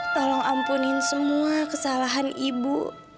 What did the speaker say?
tolong ampunin semua kesalahan ibu